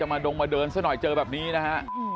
มาดงมาเดินซะหน่อยเจอแบบนี้นะฮะ